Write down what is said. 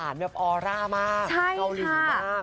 แบบออร่ามากเกาหลีมาก